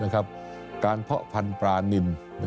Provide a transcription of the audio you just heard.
เพาะพันธุ์ปลานิน